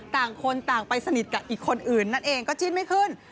ต่างคนต่างไปสนิทกับอีกคนอื่นนั่นเองก็จิ้นไม่ขึ้น